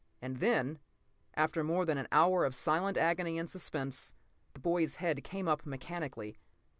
And then, after more than an hour of silent agony and suspense, the boy's head came up mechanically.